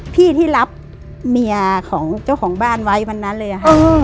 พี่ที่รับเมียของเจ้าของบ้านไว้วันนั้นเลยค่ะ